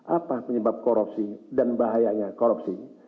apa penyebab korupsi dan bahayanya korupsi